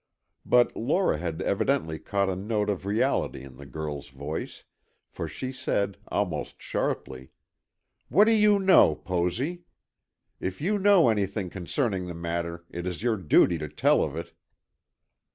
But Lora had evidently caught a note of reality in the girl's voice, for she said, almost sharply, "What do you know, Posy? If you know anything concerning the matter, it is your duty to tell of it."